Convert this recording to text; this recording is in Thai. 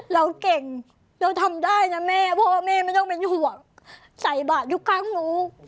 เราเก่งเราทำได้นะแม่พ่อแม่ไม่ต้องเป็นห่วงใส่บาททุกครั้งหนู